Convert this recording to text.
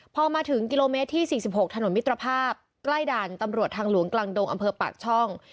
พอมาถึงกิโลเมตรที่๔๖ถนนมิตรภาพใกล้ด่านตำรวจทางหลวงกลางดงอำเภอปากช่อง